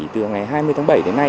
từ ngày hai mươi tháng bảy đến nay